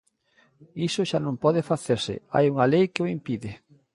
Iso xa non pode facerse, hai unha lei que o impide.